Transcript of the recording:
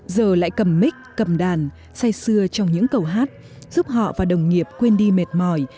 giờ lại cầm mic cầm đàn say sưa trong những cầu hát giúp họ và đồng nghiệp quên đi mệt mỏi